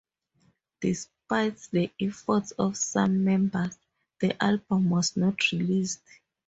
Despite the efforts of some members, the album was not released.